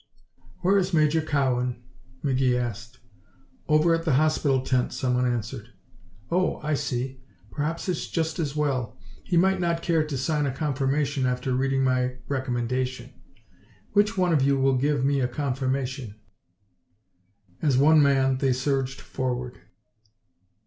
"Where is Major Cowan?" McGee asked. "Over at the hospital tent," someone answered. "Oh, I see. Perhaps it's just as well. He might not care to sign a confirmation after reading my recommendation. Which one of you will give me a confirmation?" As one man they surged forward.